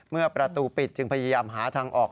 เมื่อประตูปิดจึงพยายามหาทางออก